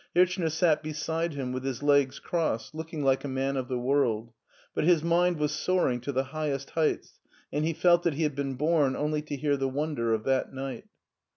Hirchner sat beside him with his legs crossed, looking like a man of the world, but his mind was soaring to the highest heights, and he felt that he had been born only to hear the wonder of that night.